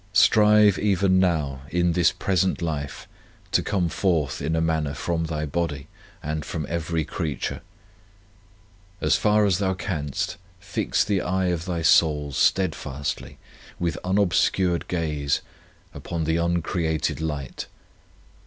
Strive even now in this present life to come forth in a manner from thy body and from every creature. 53 On Union with God As far as thou canst, fix the eye of thy soul steadfastly, with un obscured gaze, upon the uncreated light.